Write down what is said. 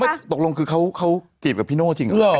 ตกลงคือเขาจีบกับพี่โน่จริงเหรอ